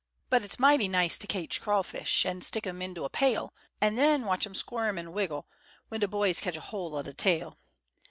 But it's mighty nice t' kaitch craw fish, An' stick 'em into a pail, An' 'en watch 'em squirm an' wiggle' W'en de boys kaitch a hoi' o' de tail.